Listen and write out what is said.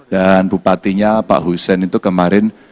dan bupatinya pak hussein itu kemarin